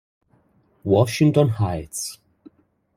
Washington Heights